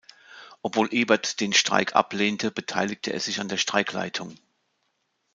Obwohl Ebert den Streik ablehnte, beteiligte er sich an der Streikleitung.